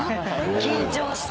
緊張して。